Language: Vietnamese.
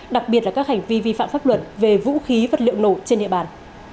đặc biệt là các hành vi vi phạm pháp luật về vũ khí vật liệu nổ trên địa bàn